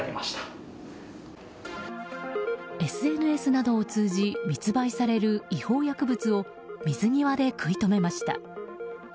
ＳＮＳなどを通じ、密売される違法薬物を水際で食い止めました。